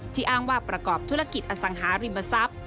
อ้างว่าประกอบธุรกิจอสังหาริมทรัพย์